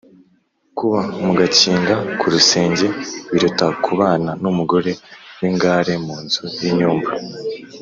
kuba mu gakinga k’urusenge, biruta kubana n’umugore w’ingare mu nzu y’inyumba